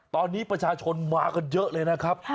ตอนนี้ประชาชนมากันเยอะเลยนะครับ